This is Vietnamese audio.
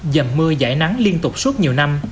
dầm mưa dải nắng liên tục suốt nhiều năm